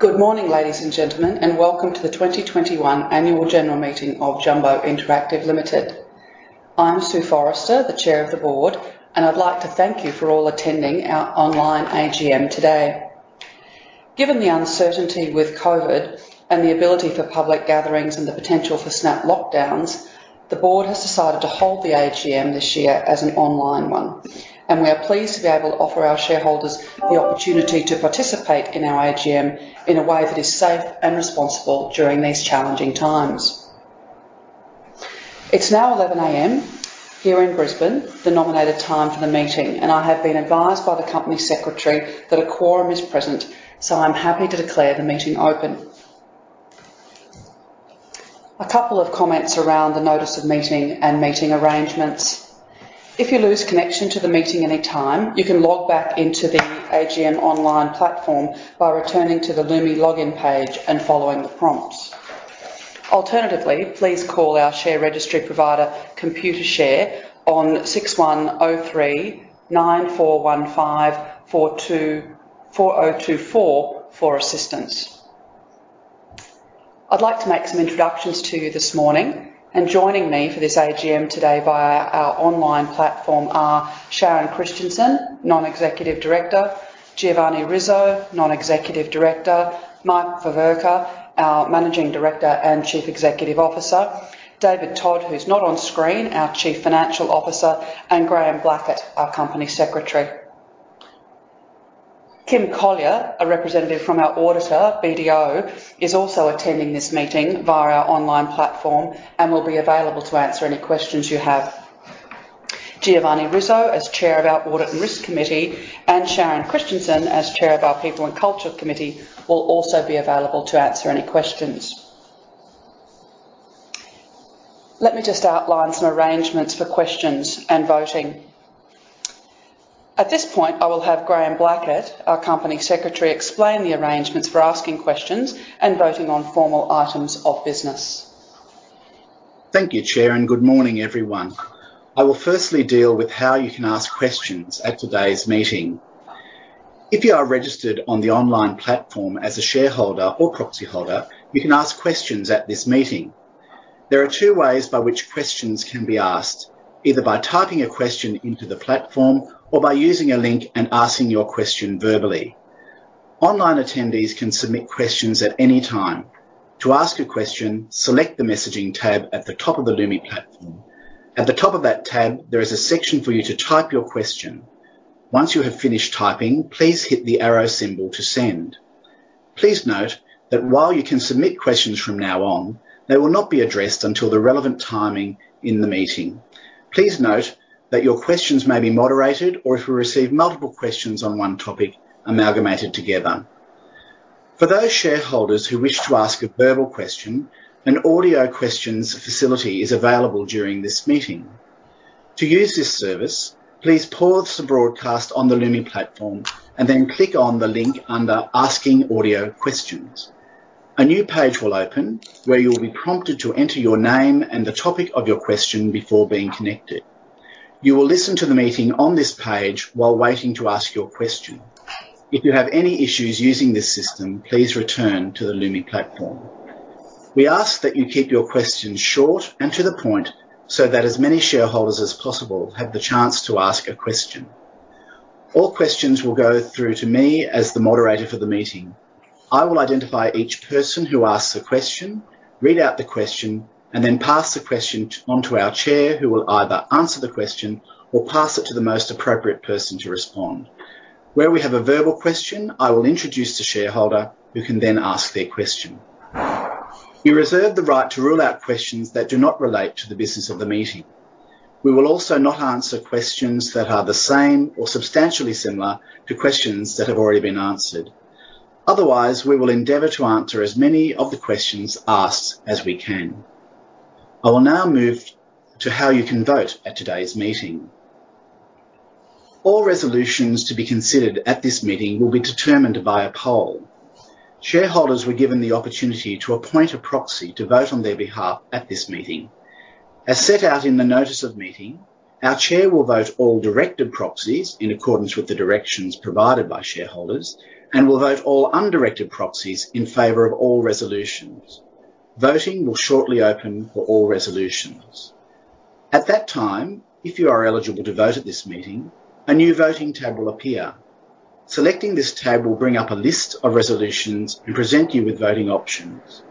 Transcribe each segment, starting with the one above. Good morning, ladies and gentlemen, and welcome to the 2021 Annual General Meeting of Jumbo Interactive Limited. I'm Sue Forrester, the Chair of the Board, and I'd like to thank you for all attending our online AGM today. Given the uncertainty with COVID and the ability for public gatherings and the potential for snap lockdowns, the board has decided to hold the AGM this year as an online one. We are pleased to be able to offer our shareholders the opportunity to participate in our AGM in a way that is safe and responsible during these challenging times. It's now 11:00 A.M. here in Brisbane, the nominated time for the meeting, and I have been advised by the Company Secretary that a quorum is present, so I'm happy to declare the meeting open. A couple of comments around the notice of meeting and meeting arrangements. If you lose connection to the meeting any time, you can log back into the AGM online platform by returning to the Lumi login page and following the prompts. Alternatively, please call our share registry provider, Computershare, on 61 03 9415 4024 for assistance. I'd like to make some introductions to you this morning. Joining me for this AGM today via our online platform are Sharon Christensen, Non-Executive Director, Giovanni Rizzo, Non-Executive Director, Mike Veverka, our Managing Director and Chief Executive Officer, David Todd, who's not on screen, our Chief Financial Officer, and Graeme Blackett, our Company Secretary. Kim Collier, a representative from our auditor, BDO, is also attending this meeting via our online platform and will be available to answer any questions you have. Giovanni Rizzo, as Chair of our Audit and Risk Committee, and Sharon Christensen, as Chair of our People and Culture Committee, will also be available to answer any questions. Let me just outline some arrangements for questions and voting. At this point, I will have Graeme Blackett, our Company Secretary, explain the arrangements for asking questions and voting on formal items of business. Thank you, Chair, and good morning, everyone. I will firstly deal with how you can ask questions at today's meeting. If you are registered on the online platform as a shareholder or proxy holder, you can ask questions at this meeting. There are two ways by which questions can be asked: either by typing a question into the platform or by using a link and asking your question verbally. Online attendees can submit questions at any time. To ask a question, select the Messaging tab at the top of the Lumi platform. At the top of that tab, there is a section for you to type your question. Once you have finished typing, please hit the arrow symbol to send. Please note that while you can submit questions from now on, they will not be addressed until the relevant timing in the meeting. Please note that your questions may be moderated, or if we receive multiple questions on one topic, amalgamated together. For those shareholders who wish to ask a verbal question, an audio questions facility is available during this meeting. To use this service, please pause the broadcast on the Lumi platform and then click on the link under Asking Audio Questions. A new page will open where you'll be prompted to enter your name and the topic of your question before being connected. You will listen to the meeting on this page while waiting to ask your question. If you have any issues using this system, please return to the Lumi platform. We ask that you keep your questions short and to the point so that as many shareholders as possible have the chance to ask a question. All questions will go through to me as the moderator for the meeting. I will identify each person who asks a question, read out the question, and then pass the question onto our chair who will either answer the question or pass it to the most appropriate person to respond. Where we have a verbal question, I will introduce the shareholder who can then ask their question. We reserve the right to rule out questions that do not relate to the business of the meeting. We will also not answer questions that are the same or substantially similar to questions that have already been answered. Otherwise, we will endeavor to answer as many of the questions asked as we can. I will now move to how you can vote at today's meeting. All resolutions to be considered at this meeting will be determined by a poll. Shareholders were given the opportunity to appoint a proxy to vote on their behalf at this meeting. As set out in the notice of meeting, our chair will vote all directed proxies in accordance with the directions provided by shareholders and will vote all undirected proxies in favor of all resolutions. Voting will shortly open for all resolutions. At that time, if you are eligible to vote at this meeting, a new voting tab will appear. Selecting this tab will bring up a list of resolutions and present you with voting options.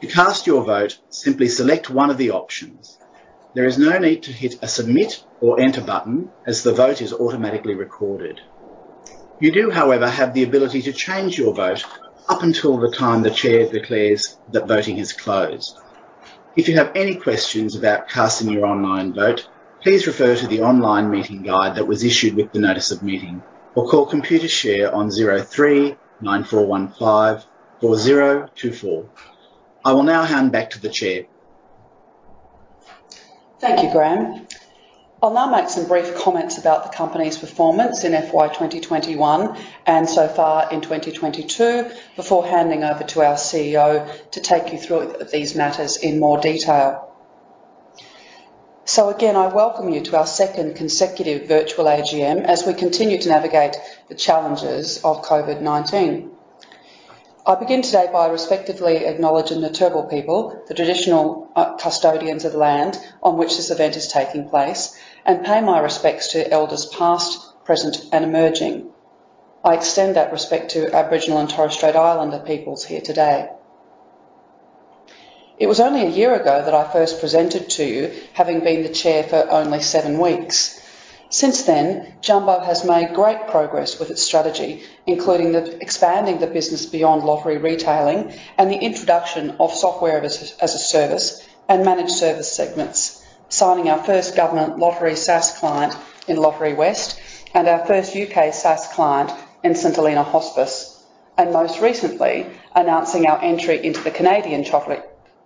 To cast your vote, simply select one of the options. There is no need to hit a Submit or Enter button, as the vote is automatically recorded. You do, however, have the ability to change your vote up until the time the chair declares that voting is closed. If you have any questions about casting your online vote, please refer to the online meeting guide that was issued with the notice of meeting or call Computershare on 03 9415 4024. I will now hand back to the chair. Thank you, Graeme. I'll now make some brief comments about the company's performance in FY 2021 and so far in 2022 before handing over to our CEO to take you through these matters in more detail. Again, I welcome you to our second consecutive virtual AGM as we continue to navigate the challenges of COVID-19. I begin today by respectfully acknowledging the Turrbal people, the traditional custodians of the land on which this event is taking place, and pay my respects to elders past, present, and emerging. I extend that respect to Aboriginal and Torres Strait Islander peoples here today. It was only a year ago that I first presented to you, having been the chair for only seven weeks. Since then, Jumbo has made great progress with its strategy, including expanding the business beyond Lottery Retailing and the introduction of Software as a Service and Managed Services segments, signing our first government lottery SaaS client in Lotterywest and our first U.K. SaaS client in St Helena Hospice, and most recently, announcing our entry into the Canadian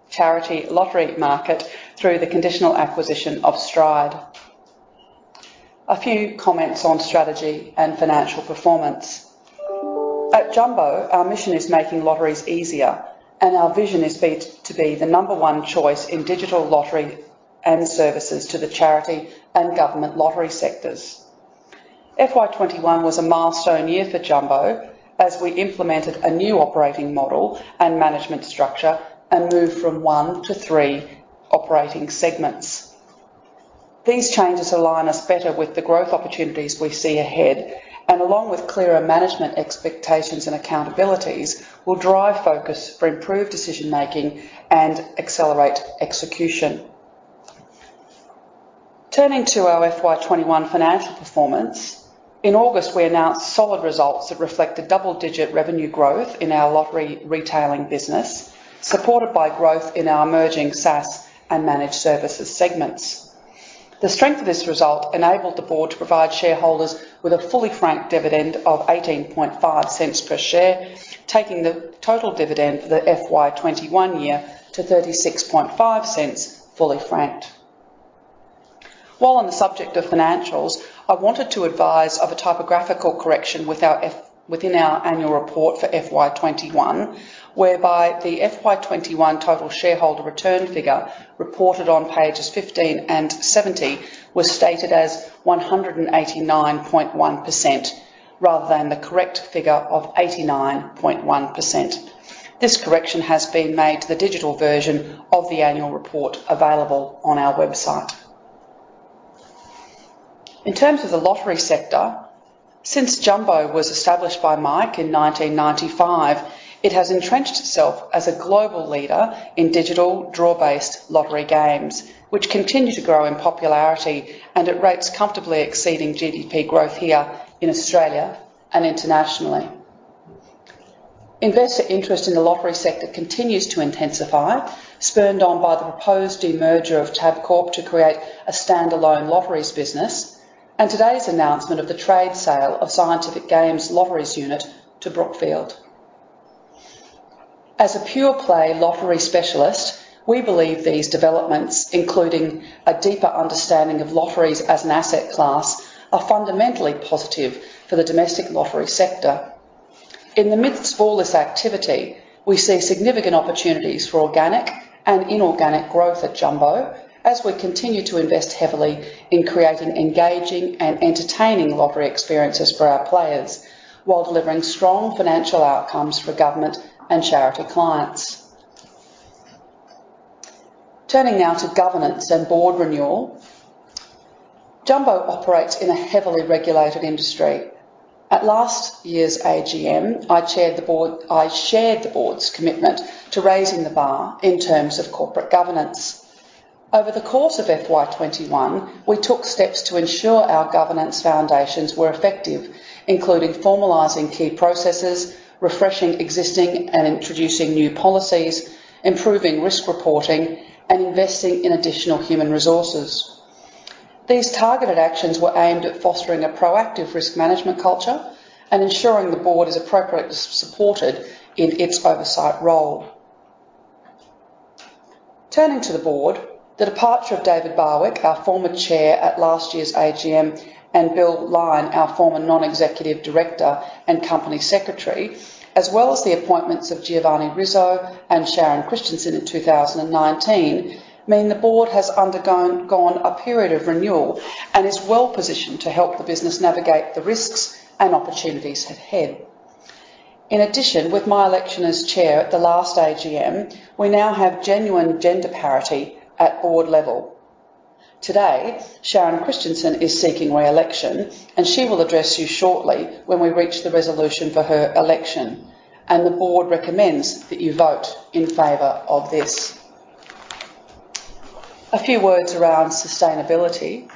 charity lottery market through the conditional acquisition of Stride. A few comments on strategy and financial performance. At Jumbo, our mission is making lotteries easier and our vision is to be the number one choice in digital lottery and services to the charity and government lottery sectors. FY 2021 was a milestone year for Jumbo as we implemented a new operating model and management structure and moved from one to three operating segments. These changes align us better with the growth opportunities we see ahead, and along with clearer management expectations and accountabilities, will drive focus for improved decision-making and accelerate execution. Turning to our FY 2021 financial performance, in August, we announced solid results that reflect double-digit revenue growth in our Lottery Retailing business, supported by growth in our emerging SaaS and Managed Services segments. The strength of this result enabled the board to provide shareholders with a fully franked dividend of 0.185 per share, taking the total dividend for the FY 2021 year to 0.365 fully franked. While on the subject of financials, I wanted to advise of a typographical correction within our annual report for FY 2021, whereby the FY 2021 total shareholder return figure reported on pages 15 and 70 was stated as 189.1% rather than the correct figure of 89.1%. This correction has been made to the digital version of the annual report available on our website. In terms of the lottery sector, since Jumbo was established by Mike in 1995, it has entrenched itself as a global leader in digital draw-based lottery games, which continue to grow in popularity and at rates comfortably exceeding GDP growth here in Australia and internationally. Investor interest in the lottery sector continues to intensify, spurred on by the proposed demerger of Tabcorp to create a standalone lotteries business, and today's announcement of the trade sale of Scientific Games' lotteries unit to Brookfield. As a pure-play lottery specialist, we believe these developments, including a deeper understanding of lotteries as an asset class, are fundamentally positive for the domestic lottery sector. In the midst of all this activity, we see significant opportunities for organic and inorganic growth at Jumbo as we continue to invest heavily in creating engaging and entertaining lottery experiences for our players while delivering strong financial outcomes for government and charity clients. Turning now to governance and board renewal. Jumbo operates in a heavily regulated industry. At last year's AGM, I chaired the board. I shared the board's commitment to raising the bar in terms of corporate governance. Over the course of FY 2021, we took steps to ensure our governance foundations were effective, including formalizing key processes, refreshing existing and introducing new policies, improving risk reporting, and investing in additional human resources. These targeted actions were aimed at fostering a proactive risk management culture and ensuring the board is appropriately supported in its oversight role. Turning to the board, the departure of David Barwick, our former Chair at last year's AGM, and Bill Lyne, our former Non-Executive Director and Company Secretary, as well as the appointments of Giovanni Rizzo and Sharon Christensen in 2019, mean the board has undergone a period of renewal and is well-positioned to help the business navigate the risks and opportunities ahead. In addition, with my election as Chair at the last AGM, we now have genuine gender parity at board level. Today, Sharon Christensen is seeking re-election, and she will address you shortly when we reach the resolution for her election, and the board recommends that you vote in favor of this. A few words around sustainability.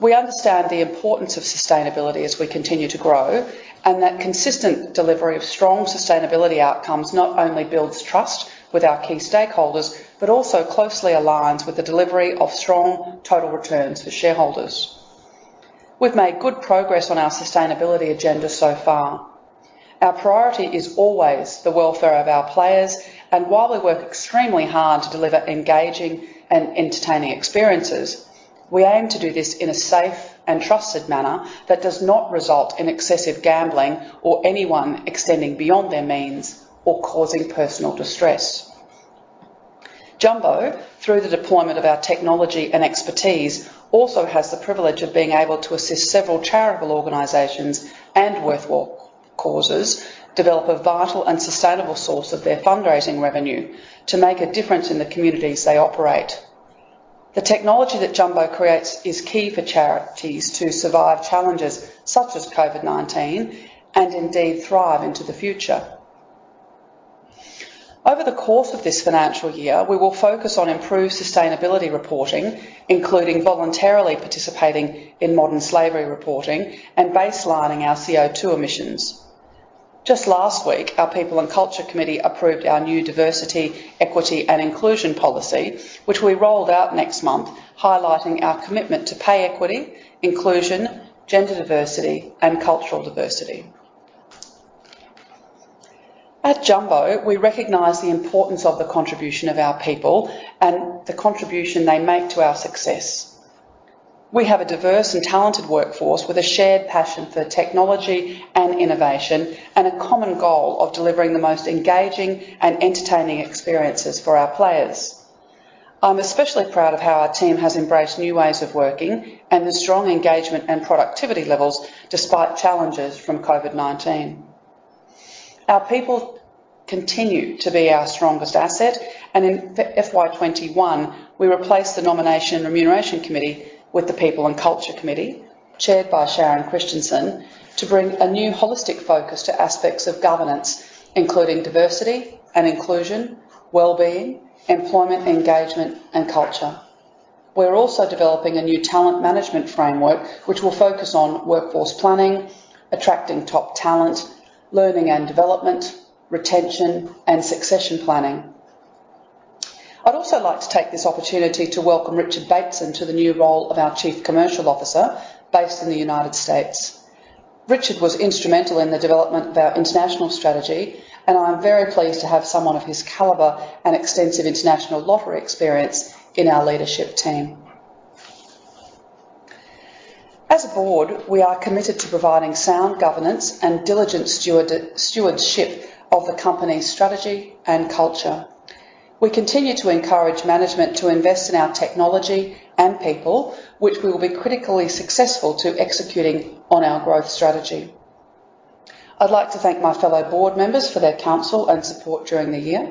We understand the importance of sustainability as we continue to grow, and that consistent delivery of strong sustainability outcomes not only builds trust with our key stakeholders, but also closely aligns with the delivery of strong total returns for shareholders. We've made good progress on our sustainability agenda so far. Our priority is always the welfare of our players, and while we work extremely hard to deliver engaging and entertaining experiences. We aim to do this in a safe and trusted manner that does not result in excessive gambling or anyone extending beyond their means or causing personal distress. Jumbo, through the deployment of our technology and expertise, also has the privilege of being able to assist several charitable organizations and worthwhile causes develop a vital and sustainable source of their fundraising revenue to make a difference in the communities they operate. The technology that Jumbo creates is key for charities to survive challenges such as COVID-19 and indeed thrive into the future. Over the course of this financial year, we will focus on improved sustainability reporting, including voluntarily participating in modern slavery reporting and baselining our CO₂ emissions. Just last week, our People and Culture Committee approved our new Diversity, Equity and Inclusion policy, which we rolled out next month, highlighting our commitment to pay equity, inclusion, gender diversity and cultural diversity. At Jumbo, we recognize the importance of the contribution of our people and the contribution they make to our success. We have a diverse and talented workforce with a shared passion for technology and innovation and a common goal of delivering the most engaging and entertaining experiences for our players. I'm especially proud of how our team has embraced new ways of working and the strong engagement and productivity levels despite challenges from COVID-19. Our people continue to be our strongest asset, and in FY 2021, we replaced the Nomination and Remuneration Committee with the People and Culture Committee, chaired by Sharon Christensen, to bring a new holistic focus to aspects of governance, including diversity and inclusion, well-being, employment engagement and culture. We're also developing a new talent management framework, which will focus on workforce planning, attracting top talent, learning and development, retention and succession planning. I'd also like to take this opportunity to welcome Richard Bateson to the new role of our Chief Commercial Officer based in the United States. Richard was instrumental in the development of our international strategy, and I'm very pleased to have someone of his caliber and extensive international lottery experience in our leadership team. As a board, we are committed to providing sound governance and diligent stewardship of the company's strategy and culture. We continue to encourage management to invest in our technology and people, which will be critical to successfully executing on our growth strategy. I'd like to thank my fellow board members for their counsel and support during the year.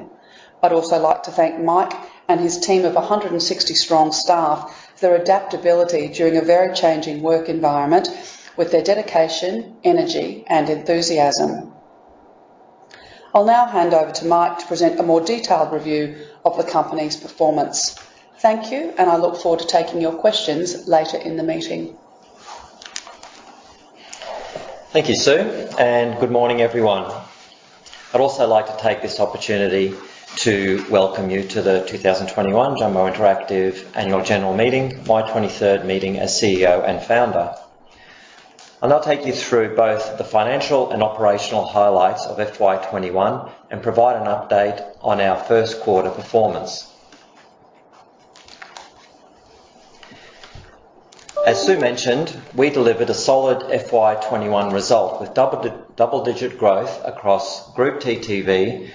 I'd also like to thank Mike and his team of 160-strong staff for their adaptability during a very challenging work environment with their dedication, energy and enthusiasm. I'll now hand over to Mike to present a more detailed review of the company's performance. Thank you, and I look forward to taking your questions later in the meeting. Thank you, Sue, and good morning, everyone. I'd also like to take this opportunity to welcome you to the 2021 Jumbo Interactive Annual General Meeting, my 23rd meeting as CEO and founder. I'll now take you through both the financial and operational highlights of FY 2021 and provide an update on our first quarter performance. As Sue mentioned, we delivered a solid FY 2021 result with double-digit growth across group TTV,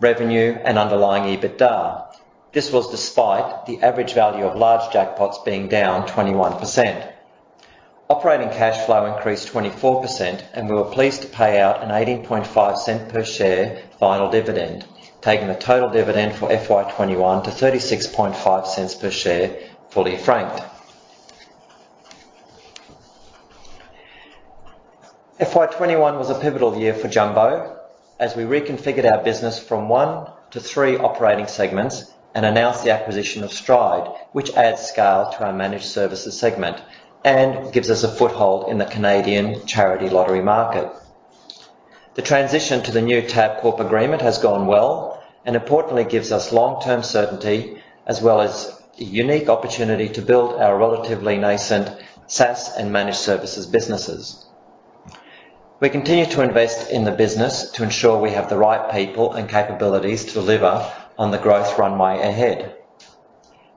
revenue and underlying EBITDA. This was despite the average value of large jackpots being down 21%. Operating cash flow increased 24%, and we were pleased to pay out an 0.185 per share final dividend, taking the total dividend for FY 2021 to 0.365 per share, fully franked. FY 2021 was a pivotal year for Jumbo as we reconfigured our business from one to three operating segments and announced the acquisition of Stride, which adds scale to our Managed Services segment and gives us a foothold in the Canadian charity lottery market. The transition to the new Tabcorp agreement has gone well, and importantly gives us long-term certainty as well as a unique opportunity to build our relatively nascent SaaS and Managed Services businesses. We continue to invest in the business to ensure we have the right people and capabilities to deliver on the growth runway ahead.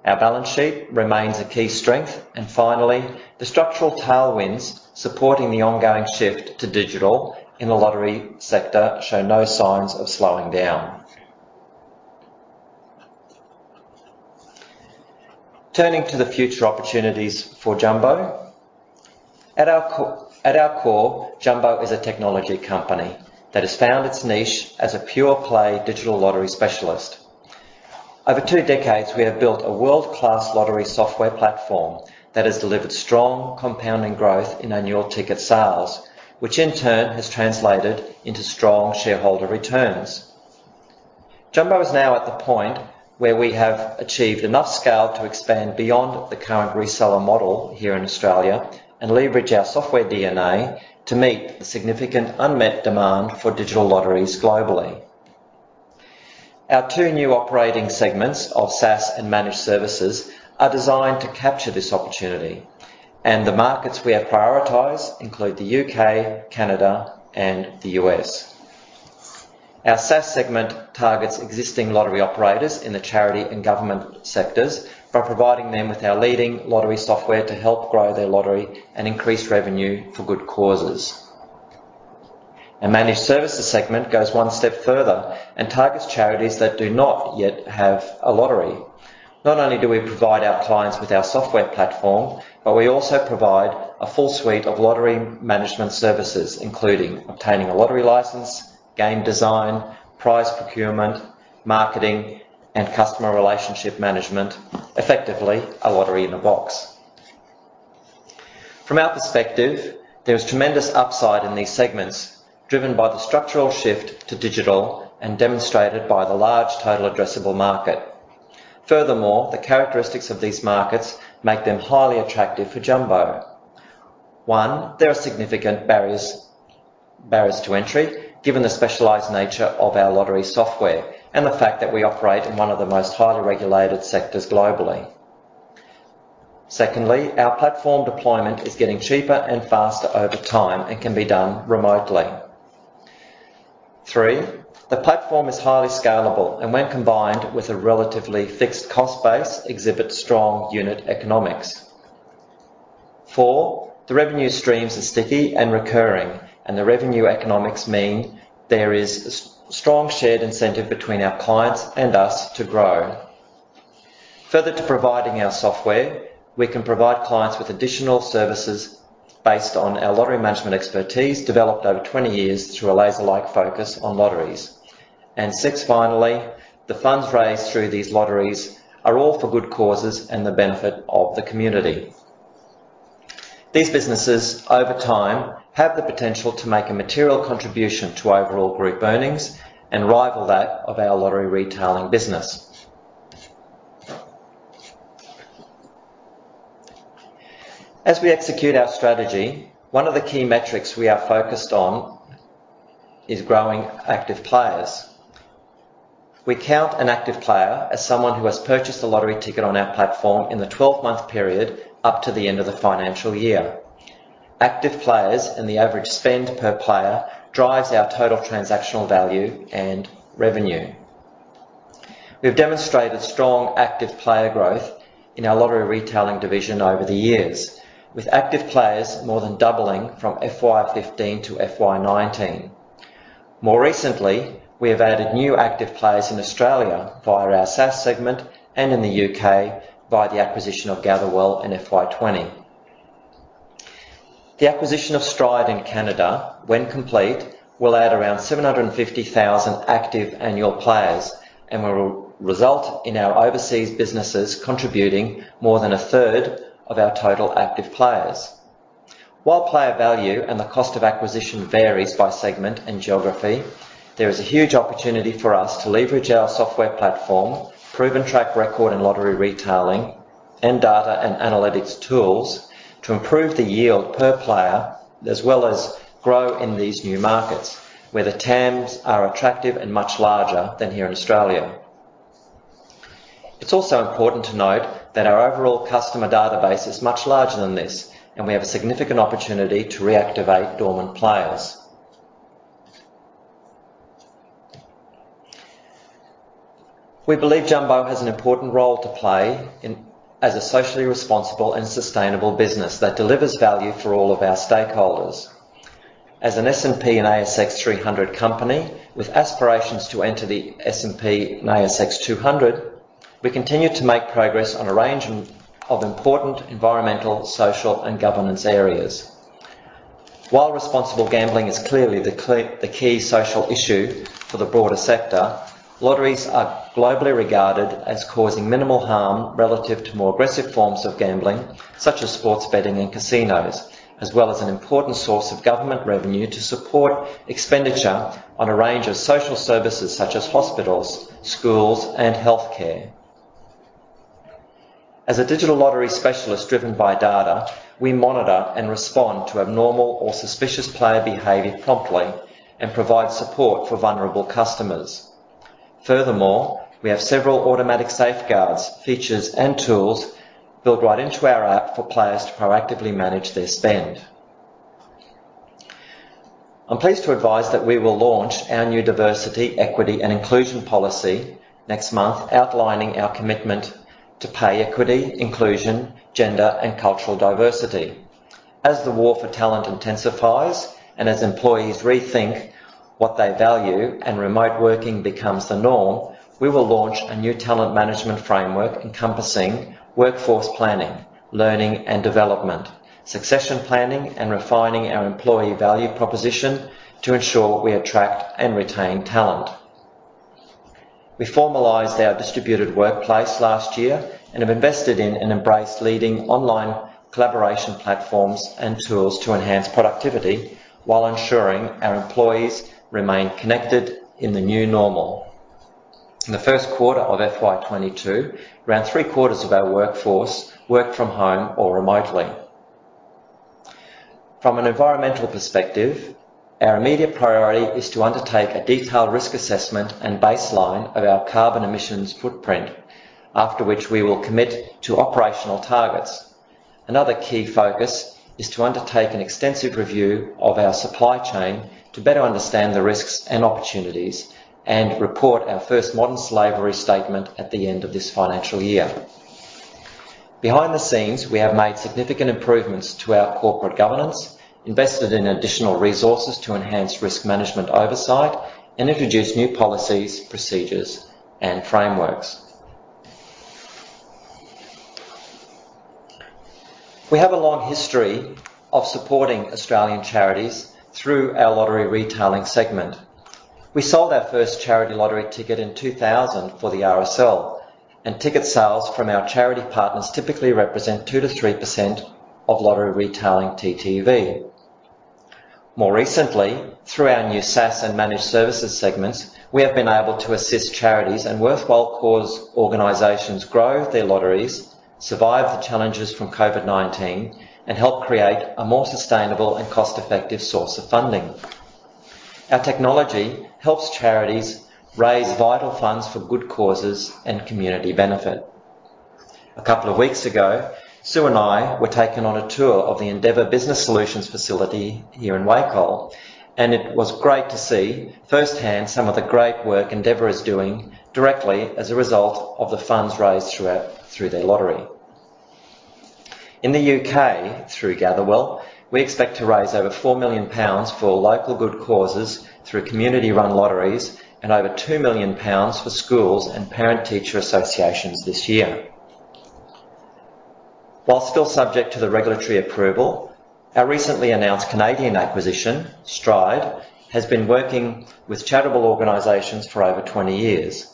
Our balance sheet remains a key strength, and finally, the structural tailwinds supporting the ongoing shift to digital in the lottery sector show no signs of slowing down. Turning to the future opportunities for Jumbo. At our core, Jumbo is a technology company that has found its niche as a pure play digital lottery specialist. Over two decades, we have built a world-class lottery software platform that has delivered strong compounding growth in annual ticket sales, which in turn has translated into strong shareholder returns. Jumbo is now at the point where we have achieved enough scale to expand beyond the current reseller model here in Australia and leverage our software DNA to meet the significant unmet demand for digital lotteries globally. Our two new operating segments of SaaS and Managed Services are designed to capture this opportunity, and the markets we have prioritized include the U.K., Canada and the U.S. Our SaaS segment targets existing lottery operators in the charity and government sectors by providing them with our leading lottery software to help grow their lottery and increase revenue for good causes. Our Managed Services segment goes one step further and targets charities that do not yet have a lottery. Not only do we provide our clients with our software platform, but we also provide a full suite of lottery management services, including obtaining a lottery license, game design, prize procurement, marketing, and customer relationship management. Effectively, a lottery in a box. From our perspective, there is tremendous upside in these segments, driven by the structural shift to digital and demonstrated by the large total addressable market. Furthermore, the characteristics of these markets make them highly attractive for Jumbo. One, there are significant barriers to entry given the specialized nature of our lottery software and the fact that we operate in one of the most highly regulated sectors globally. Secondly, our platform deployment is getting cheaper and faster over time and can be done remotely. Three, the platform is highly scalable and when combined with a relatively fixed cost base, exhibits strong unit economics. Four, the revenue streams are sticky and recurring, and the revenue economics mean there is strong shared incentive between our clients and us to grow. Further to providing our software, we can provide clients with additional services based on our lottery management expertise developed over 20 years through a laser-like focus on lotteries. Six, finally, the funds raised through these lotteries are all for good causes and the benefit of the community. These businesses over time have the potential to make a material contribution to overall group earnings and rival that of our Lottery Retailing business. As we execute our strategy, one of the key metrics we are focused on is growing active players. We count an active player as someone who has purchased a lottery ticket on our platform in the twelve-month period up to the end of the financial year. Active players and the average spend per player drives our total transactional value and revenue. We have demonstrated strong active player growth in our Lottery Retailing division over the years, with active players more than doubling from FY 2015 to FY 2019. More recently, we have added new active players in Australia via our SaaS segment and in the U.K. via the acquisition of Gatherwell in FY 2020. The acquisition of Stride in Canada, when complete, will add around 750,000 active annual players and will result in our overseas businesses contributing more than 1/3 of our total active players. While player value and the cost of acquisition varies by segment and geography, there is a huge opportunity for us to leverage our software platform, proven track record in Lottery Retailing, and data and analytics tools to improve the yield per player as well as grow in these new markets where the TAMs are attractive and much larger than here in Australia. It's also important to note that our overall customer database is much larger than this, and we have a significant opportunity to reactivate dormant players. We believe Jumbo has an important role to play in as a socially responsible and sustainable business that delivers value for all of our stakeholders. As an S&P/ASX 300 company with aspirations to enter the S&P/ASX 200, we continue to make progress on a range of important environmental, social, and governance areas. While responsible gambling is clearly the key social issue for the broader sector, lotteries are globally regarded as causing minimal harm relative to more aggressive forms of gambling such as sports betting and casinos, as well as an important source of government revenue to support expenditure on a range of social services such as hospitals, schools, and healthcare. As a digital lottery specialist driven by data, we monitor and respond to abnormal or suspicious player behavior promptly and provide support for vulnerable customers. Furthermore, we have several automatic safeguards, features, and tools built right into our app for players to proactively manage their spend. I'm pleased to advise that we will launch our new diversity, equity, and inclusion policy next month, outlining our commitment to pay equity, inclusion, gender, and cultural diversity. As the war for talent intensifies and as employees rethink what they value and remote working becomes the norm, we will launch a new talent management framework encompassing workforce planning, learning and development, succession planning, and refining our employee value proposition to ensure we attract and retain talent. We formalized our distributed workplace last year and have invested in and embraced leading online collaboration platforms and tools to enhance productivity while ensuring our employees remain connected in the new normal. In the first quarter of FY 2022, around three-quarters of our workforce worked from home or remotely. From an environmental perspective, our immediate priority is to undertake a detailed risk assessment and baseline of our carbon emissions footprint, after which we will commit to operational targets. Another key focus is to undertake an extensive review of our supply chain to better understand the risks and opportunities, and report our first Modern Slavery Statement at the end of this financial year. Behind the scenes, we have made significant improvements to our corporate governance, invested in additional resources to enhance risk management oversight, and introduced new policies, procedures and frameworks. We have a long history of supporting Australian charities through our Lottery Retailing segment. We sold our first charity lottery ticket in 2000 for the RSL, and ticket sales from our charity partners typically represent 2%-3% of Lottery Retailing TTV. More recently, through our new SaaS and Managed Services segments, we have been able to assist charities and worthwhile cause organizations grow their lotteries, survive the challenges from COVID-19, and help create a more sustainable and cost-effective source of funding. Our technology helps charities raise vital funds for good causes and community benefit. A couple of weeks ago, Sue and I were taken on a tour of the Endeavour Business Solutions facility here in Wacol, and it was great to see firsthand some of the great work Endeavour is doing directly as a result of the funds raised throughout their lottery. In the U.K., through Gatherwell, we expect to raise over 4 million pounds for local good causes through community-run lotteries and over 2 million pounds for schools and parent-teacher associations this year. While still subject to the regulatory approval, our recently announced Canadian acquisition, Stride, has been working with charitable organizations for over 20 years.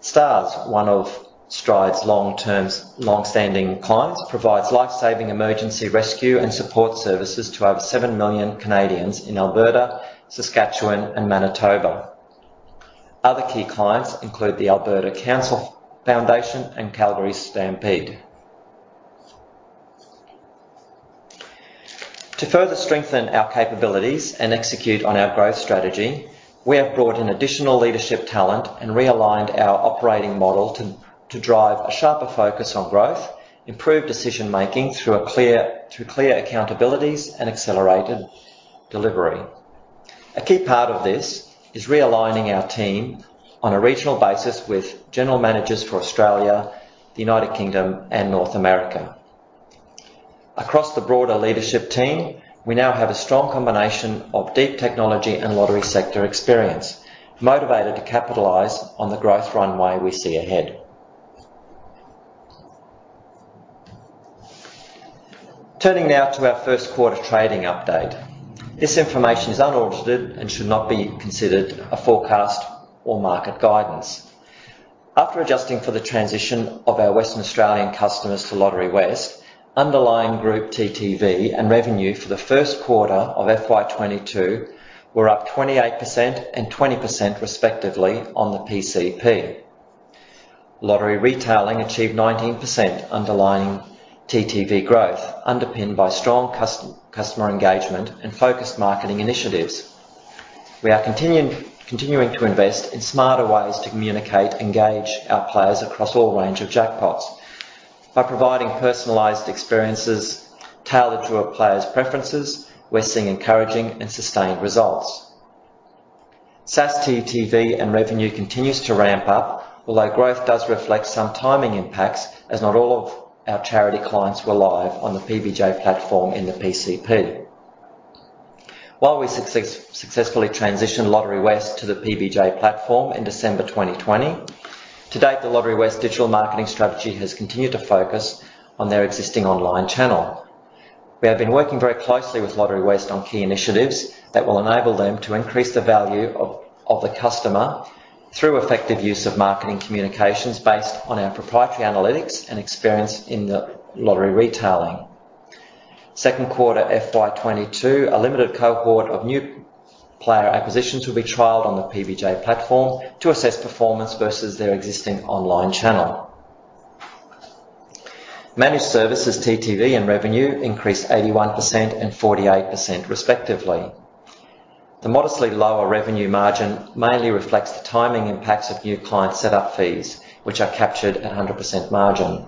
STARS, one of Stride's longstanding clients, provides life-saving emergency rescue and support services to over 7 million Canadians in Alberta, Saskatchewan and Manitoba. Other key clients include the Alberta Cancer Foundation and Calgary Stampede. To further strengthen our capabilities and execute on our growth strategy, we have brought in additional leadership talent and realigned our operating model to drive a sharper focus on growth, improve decision-making through clear accountabilities and accelerated delivery. A key part of this is realigning our team on a regional basis with general managers for Australia, the United Kingdom and North America. Across the broader leadership team, we now have a strong combination of deep technology and lottery sector experience, motivated to capitalize on the growth runway we see ahead. Turning now to our first quarter trading update. This information is unaudited and should not be considered a forecast or market guidance. After adjusting for the transition of our Western Australian customers to Lotterywest, underlying group TTV and revenue for the first quarter of FY 2022 were up 28% and 20% respectively on the PCP. Lottery Retailing achieved 19% underlying TTV growth, underpinned by strong customer engagement and focused marketing initiatives. We are continuing to invest in smarter ways to communicate, engage our players across all ranges of jackpots. By providing personalized experiences tailored to a player's preferences, we're seeing encouraging and sustained results. SaaS TTV and revenue continues to ramp up, although growth does reflect some timing impacts as not all of our charity clients were live on the PBJ platform in the PCP. While we successfully transitioned Lotterywest to the PBJ platform in December 2020, to date, the Lotterywest digital marketing strategy has continued to focus on their existing online channel. We have been working very closely with Lotterywest on key initiatives that will enable them to increase the value of the customer through effective use of marketing communications based on our proprietary analytics and experience in the Lottery Retailing. Second quarter FY 2022, a limited cohort of new player acquisitions will be trialed on the PBJ platform to assess performance versus their existing online channel. Managed Services TTV and revenue increased 81% and 48% respectively. The modestly lower revenue margin mainly reflects the timing impacts of new client setup fees, which are captured at 100% margin.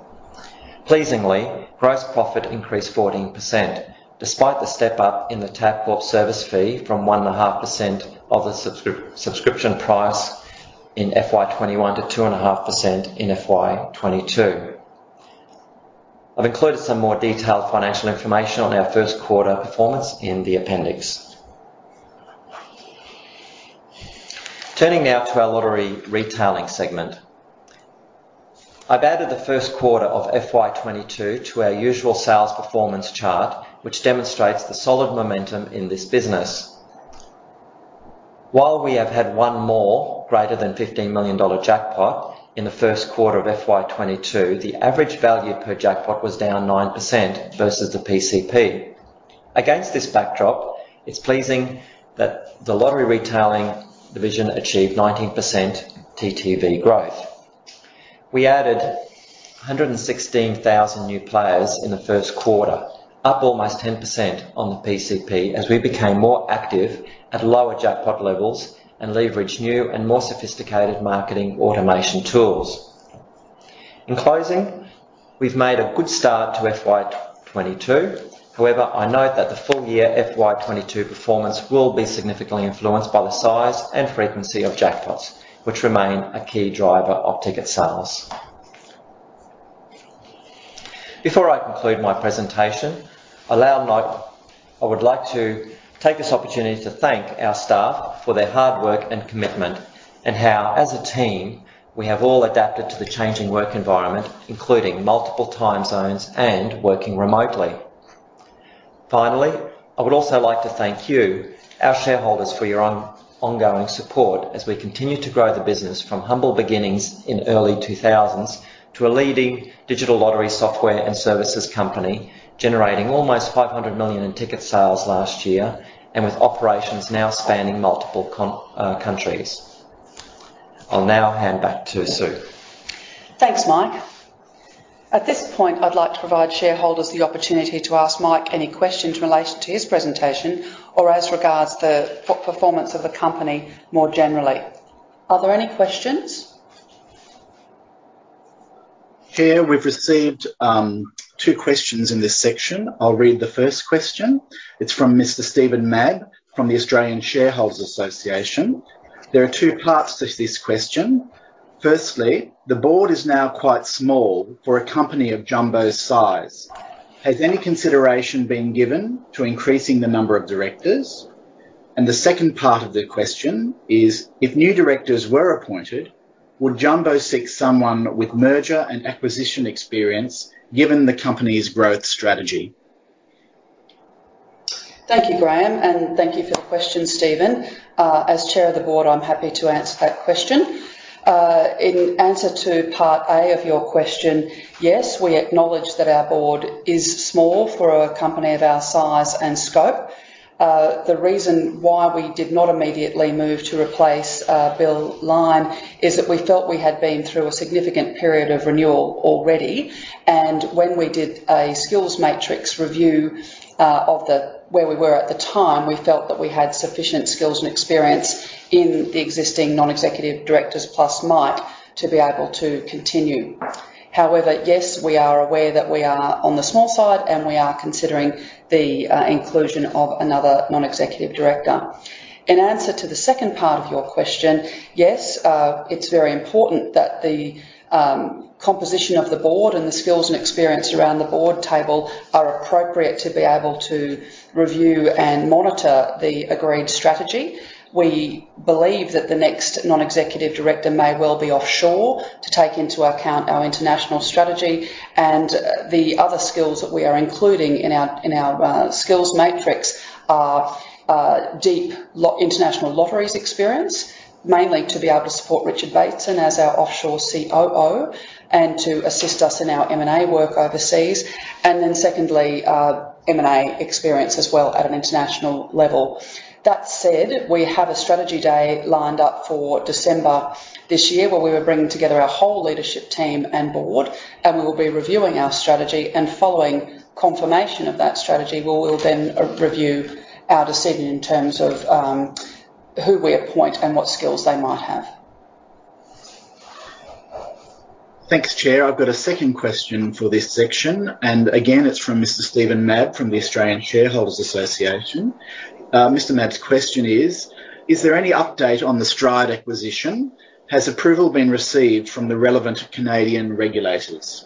Pleasingly, gross profit increased 14% despite the step-up in the Tabcorp service fee from 1.5% of the subscription price in FY 2021 to 2.5% in FY 2022. I've included some more detailed financial information on our first quarter performance in the appendix. Turning now to our Lottery Retailing segment. I've added the first quarter of FY 2022 to our usual sales performance chart, which demonstrates the solid momentum in this business. While we have had one more greater than 15 million dollar jackpot in the first quarter of FY 2022, the average value per jackpot was down 9% versus the PCP. Against this backdrop, it's pleasing that the Lottery Retailing division achieved 19% TTV growth. We added 116,000 new players in the first quarter, up almost 10% on the PCP, as we became more active at lower jackpot levels and leveraged new and more sophisticated marketing automation tools. In closing, we've made a good start to FY 2022. However, I note that the full year FY 2022 performance will be significantly influenced by the size and frequency of jackpots, which remain a key driver of ticket sales. Before I conclude my presentation, I would like to take this opportunity to thank our staff for their hard work and commitment, and how, as a team, we have all adapted to the changing work environment, including multiple time zones and working remotely. Finally, I would also like to thank you, our shareholders, for your ongoing support as we continue to grow the business from humble beginnings in early 2000s to a leading digital lottery software and services company, generating almost 500 million in ticket sales last year and with operations now spanning multiple countries. I'll now hand back to Sue. Thanks, Mike. At this point, I'd like to provide shareholders the opportunity to ask Mike any questions in relation to his presentation or as regards the performance of the company more generally. Are there any questions? Chair, we've received, two questions in this section. I'll read the first question. It's from Mr. Steven Mabb from the Australian Shareholders' Association. There are two parts to this question. Firstly, the board is now quite small for a company of Jumbo's size. Has any consideration been given to increasing the number of directors? The second part of the question is: If new directors were appointed, would Jumbo seek someone with merger and acquisition experience, given the company's growth strategy? Thank you, Graeme, and thank you for the question, Steven. As Chair of the Board, I'm happy to answer that question. In answer to part A of your question, yes, we acknowledge that our board is small for a company of our size and scope. The reason why we did not immediately move to replace Bill Lyne is that we felt we had been through a significant period of renewal already. When we did a skills matrix review of where we were at the time, we felt that we had sufficient skills and experience in the existing non-executive directors, plus Mike, to be able to continue. However, yes, we are aware that we are on the small side, and we are considering the inclusion of another non-executive director. In answer to the second part of your question, yes, it's very important that the composition of the board and the skills and experience around the board table are appropriate to be able to review and monitor the agreed strategy. We believe that the next non-executive director may well be offshore to take into account our international strategy. The other skills that we are including in our skills matrix are deep international lotteries experience, mainly to be able to support Richard Bateson as our offshore CCO and to assist us in our M&A work overseas, and then secondly, M&A experience as well at an international level. That said, we have a strategy day lined up for December this year, where we'll be bringing together our whole leadership team and board, and we will be reviewing our strategy. Following confirmation of that strategy, we will then review our decision in terms of who we appoint and what skills they might have. Thanks, Chair. I've got a second question for this section, and again, it's from Mr. Steven Mabb from the Australian Shareholders' Association. Mr. Mabb's question is: Is there any update on the Stride acquisition? Has approval been received from the relevant Canadian regulators?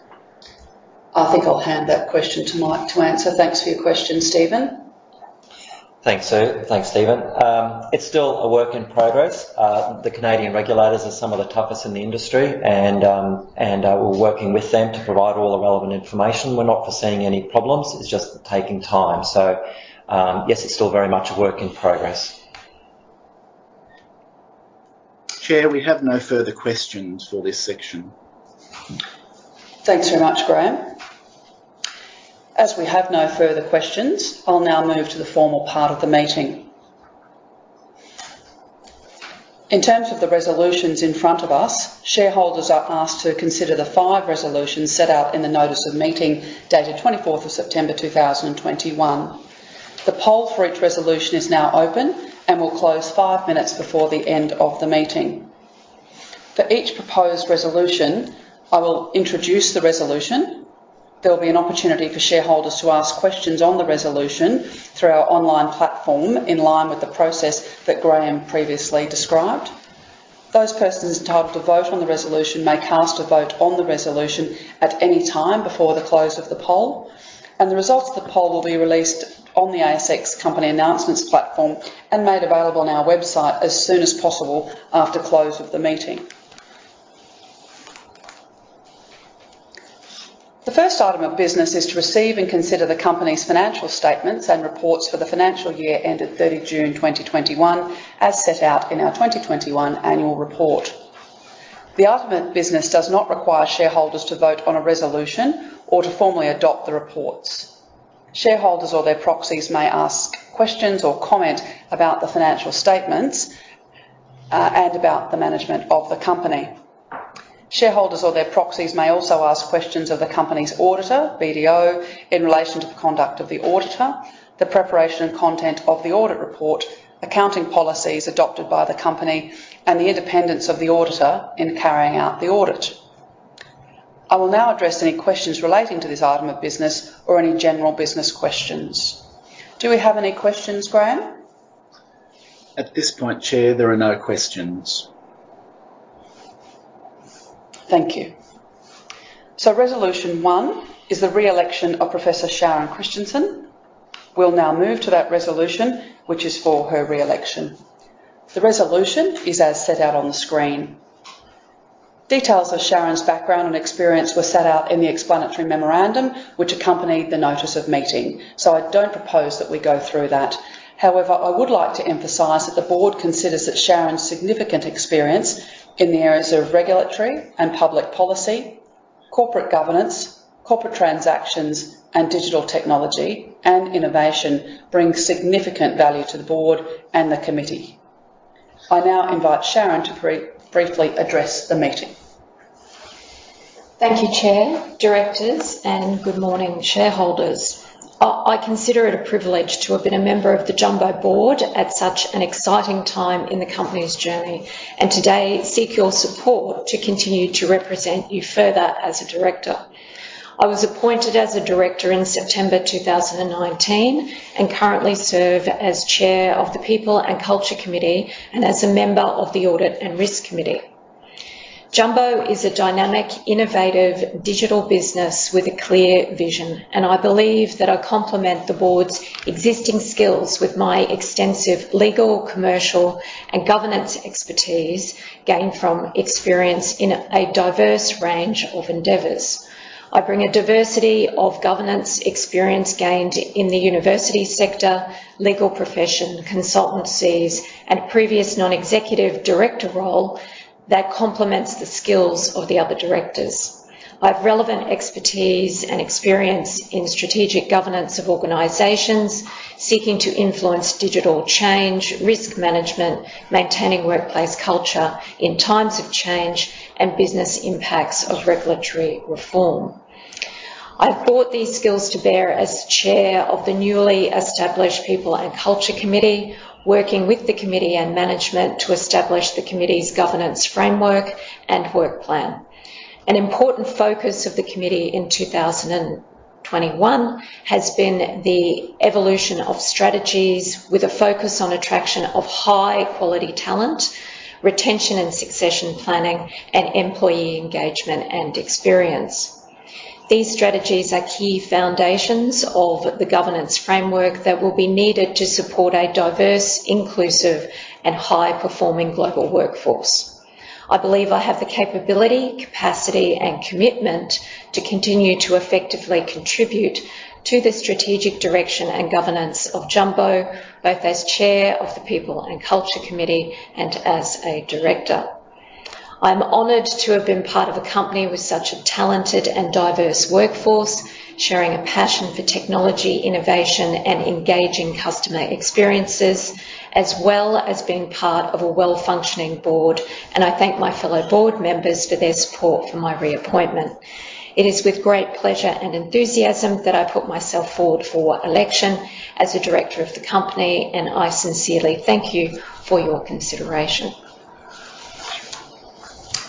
I think I'll hand that question to Mike to answer. Thanks for your question, Steven. Thanks, Sue. Thanks, Steven. It's still a work in progress. The Canadian regulators are some of the toughest in the industry and we're working with them to provide all the relevant information. We're not foreseeing any problems. It's just taking time. Yes, it's still very much a work in progress. Chair, we have no further questions for this section. Thanks very much, Graeme. As we have no further questions, I'll now move to the formal part of the meeting. In terms of the resolutions in front of us, shareholders are asked to consider the five resolutions set out in the notice of meeting dated 24th of September 2021. The poll for each resolution is now open and will close five minutes before the end of the meeting. For each proposed resolution, I will introduce the resolution. There will be an opportunity for shareholders to ask questions on the resolution through our online platform, in line with the process that Graeme previously described. Those persons entitled to vote on the resolution may cast a vote on the resolution at any time before the close of the poll, and the results of the poll will be released on the ASX company announcements platform and made available on our website as soon as possible after close of the meeting. The first item of business is to receive and consider the company's financial statements and reports for the financial year ended 30 June 2021, as set out in our 2021 annual report. The item of business does not require shareholders to vote on a resolution or to formally adopt the reports. Shareholders or their proxies may ask questions or comment about the financial statements, and about the management of the company. Shareholders or their proxies may also ask questions of the company's auditor, BDO, in relation to the conduct of the auditor. The preparation and content of the audit report, accounting policies adopted by the company, and the independence of the auditor in carrying out the audit. I will now address any questions relating to this item of business or any general business questions. Do we have any questions, Graeme? At this point, Chair, there are no questions. Thank you. Resolution One is the re-election of Professor Sharon Christensen. We'll now move to that resolution, which is for her re-election. The resolution is as set out on the screen. Details of Sharon's background and experience were set out in the explanatory memorandum, which accompanied the notice of meeting. I don't propose that we go through that. However, I would like to emphasize that the board considers that Sharon's significant experience in the areas of regulatory and public policy, corporate governance, corporate transactions, and digital technology and innovation brings significant value to the board and the committee. I now invite Sharon to briefly address the meeting. Thank you Chair, directors, and good morning, shareholders. I consider it a privilege to have been a member of the Jumbo board at such an exciting time in the company's journey, and today seek your support to continue to represent you further as a director. I was appointed as a director in September 2019, and currently serve as Chair of the People and Culture Committee, and as a member of the Audit and Risk Committee. Jumbo is a dynamic, innovative digital business with a clear vision, and I believe that I complement the board's existing skills with my extensive legal, commercial, and governance expertise gained from experience in a diverse range of endeavors. I bring a diversity of governance experience gained in the university sector, legal profession, consultancies, and previous non-executive director role that complements the skills of the other directors. I have relevant expertise and experience in strategic governance of organizations seeking to influence digital change, risk management, maintaining workplace culture in times of change, and business impacts of regulatory reform. I've brought these skills to bear as Chair of the newly established People and Culture Committee, working with the committee and management to establish the committee's governance framework and work plan. An important focus of the committee in 2021 has been the evolution of strategies with a focus on attraction of high-quality talent, retention and succession planning, and employee engagement and experience. These strategies are key foundations of the governance framework that will be needed to support a diverse, inclusive, and high-performing global workforce. I believe I have the capability, capacity, and commitment to continue to effectively contribute to the strategic direction and governance of Jumbo, both as Chair of the People and Culture Committee and as a director. I'm honored to have been part of a company with such a talented and diverse workforce, sharing a passion for technology, innovation, and engaging customer experiences, as well as being part of a well-functioning board, and I thank my fellow board members for their support for my reappointment. It is with great pleasure and enthusiasm that I put myself forward for election as a director of the company, and I sincerely thank you for your consideration.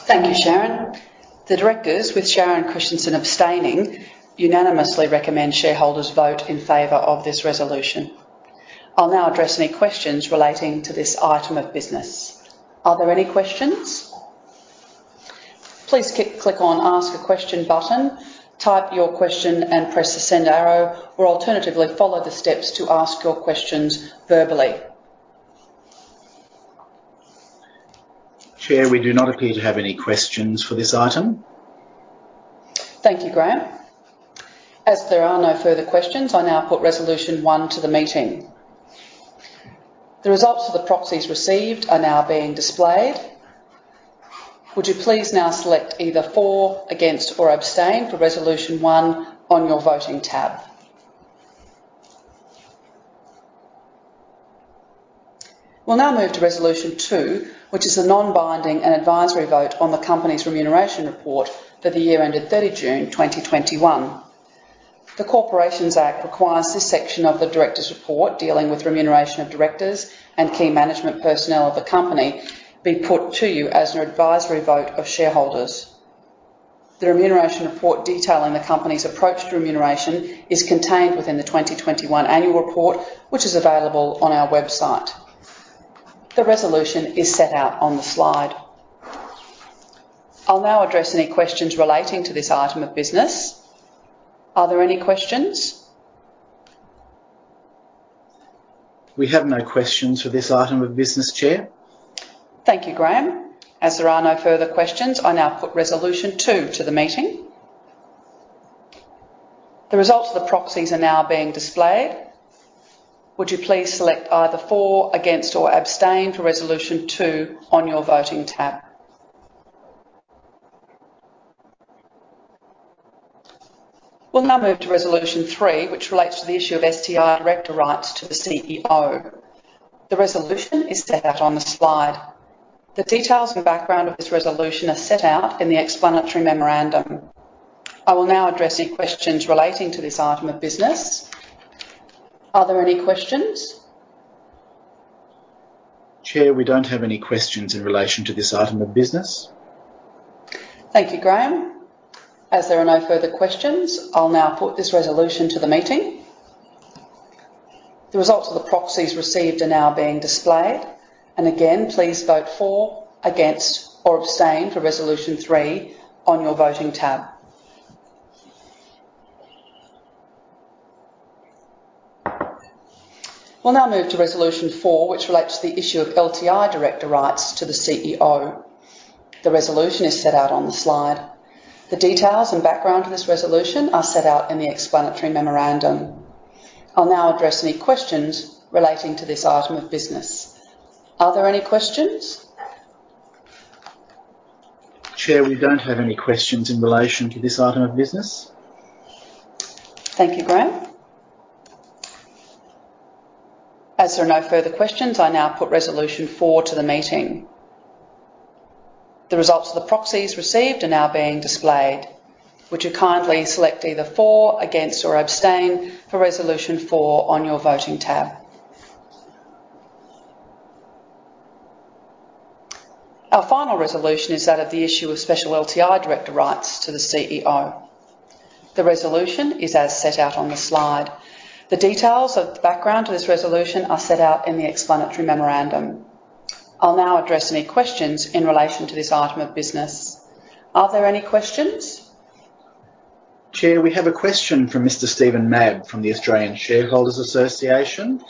Thank you, Sharon. The directors, with Sharon Christensen abstaining, unanimously recommend shareholders vote in favor of this resolution. I'll now address any questions relating to this item of business. Are there any questions? Please click on Ask a Question button, type your question, and press the send arrow, or alternatively, follow the steps to ask your questions verbally. Chair, we do not appear to have any questions for this item. Thank you, Graeme. As there are no further questions, I now put Resolution One to the meeting. The results of the proxies received are now being displayed. Would you please now select either for, against, or abstain for Resolution One on your voting tab. We'll now move to Resolution Two, which is a non-binding and advisory vote on the company's remuneration report for the year ended 30 June 2021. The Corporations Act requires this section of the directors' report dealing with remuneration of directors and key management personnel of the company be put to you as an advisory vote of shareholders. The remuneration report detailing the company's approach to remuneration is contained within the 2021 annual report, which is available on our website. The resolution is set out on the slide. I'll now address any questions relating to this item of business. Are there any questions? We have no questions for this item of business, Chair. Thank you, Graeme. As there are no further questions, I now put Resolution Two to the meeting. The results of the proxies are now being displayed. Would you please select either for, against, or abstain for Resolution Two on your voting tab? We'll now move to Resolution Three, which relates to the issue of STI director rights to the CEO. The resolution is set out on the slide. The details and background of this resolution are set out in the explanatory memorandum. I will now address your questions relating to this item of business. Are there any questions? Chair, we don't have any questions in relation to this item of business. Thank you, Graeme. As there are no further questions, I'll now put this resolution to the meeting. The results of the proxies received are now being displayed. Again, please vote for, against, or abstain for resolution three on your voting tab. We'll now move to resolution four, which relates to the issue of LTI director rights to the CEO. The resolution is set out on the slide. The details and background to this resolution are set out in the explanatory memorandum. I'll now address any questions relating to this item of business. Are there any questions? Chair, we don't have any questions in relation to this item of business. Thank you, Graeme. As there are no further questions, I now put resolution 4 to the meeting. The results of the proxies received are now being displayed. Would you kindly select either for, against, or abstain for resolution 4 on your voting tab. Our final resolution is that of the issue of special LTI director rights to the CEO. The resolution is as set out on the slide. The details of the background to this resolution are set out in the explanatory memorandum. I'll now address any questions in relation to this item of business. Are there any questions? Chair, we have a question from Mr. Steven Mabb from the Australian Shareholders' Association.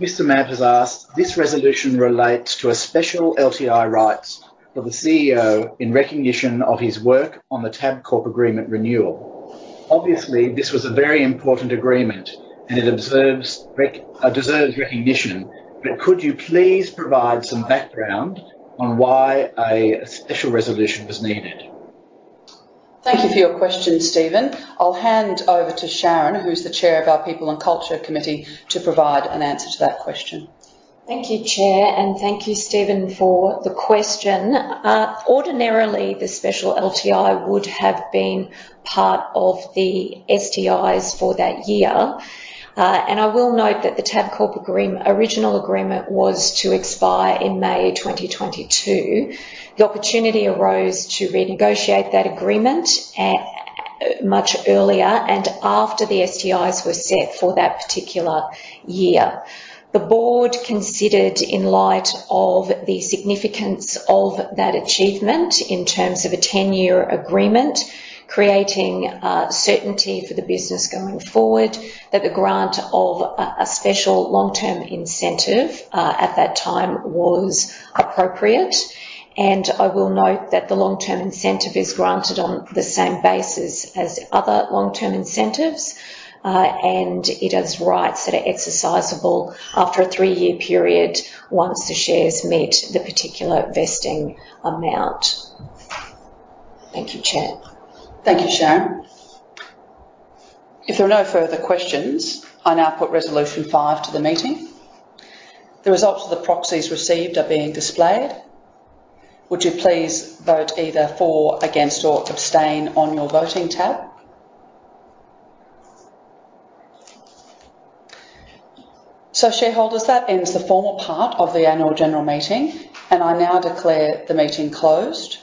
Mr. Mabb has asked, this resolution relates to a special LTI rights for the CEO in recognition of his work on the Tabcorp agreement renewal. Obviously, this was a very important agreement, and it deserves recognition. Could you please provide some background on why a special resolution was needed? Thank you for your question, Steven Mabb. I'll hand over to Sharon, who's the chair of our People and Culture Committee, to provide an answer to that question. Thank you, Chair, and thank you, Steven, for the question. Ordinarily, the special LTI would have been part of the STIs for that year. I will note that the Tabcorp original agreement was to expire in May 2022. The opportunity arose to renegotiate that agreement at much earlier and after the STIs were set for that particular year. The board considered, in light of the significance of that achievement in terms of a ten-year agreement, creating certainty for the business going forward, that the grant of a special long-term incentive at that time was appropriate. I will note that the long-term incentive is granted on the same basis as other long-term incentives. It has rights that are exercisable after a three-year period once the shares meet the particular vesting amount. Thank you, Chair. Thank you, Sharon. If there are no further questions, I now put resolution 5 to the meeting. The results of the proxies received are being displayed. Would you please vote either for, against, or abstain on your voting tab. Shareholders, that ends the formal part of the annual general meeting, and I now declare the meeting closed.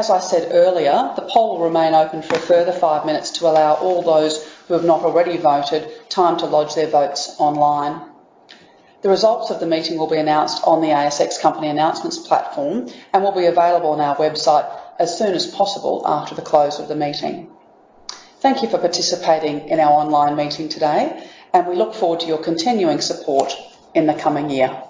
As I said earlier, the poll will remain open for a further five minutes to allow all those who have not already voted time to lodge their votes online. The results of the meeting will be announced on the ASX company announcements platform and will be available on our website as soon as possible after the close of the meeting. Thank you for participating in our online meeting today, and we look forward to your continuing support in the coming year.